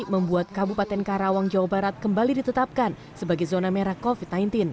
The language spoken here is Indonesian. membuat kabupaten karawang jawa barat kembali ditetapkan sebagai zona merah covid sembilan belas